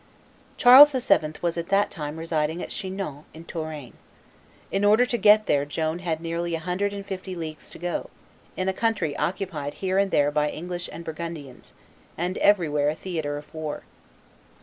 Charles VII. was at that time residing at Chinon, in Touraine. In order to get there Joan had nearly a hundred and fifty leagues to go, in a country occupied here and there by English and Burgundians, and everywhere a theatre of war.